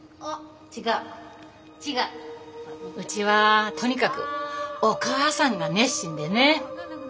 うちはとにかくお母さんが熱心でね。